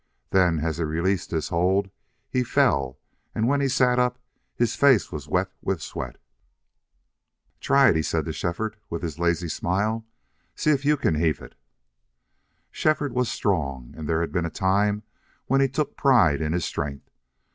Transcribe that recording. Then as he released his hold he fell, and when he sat up his face was wet with sweat. "Try it," he said to Shefford, with his lazy smile. "See if you can heave it." Shefford was strong, and there had been a time when he took pride in his strength.